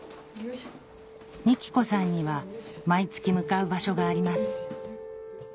幹子さんには毎月向かう場所があります